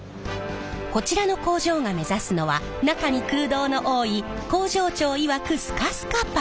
こちらの工場が目指すのは中に空洞の多い工場長いわく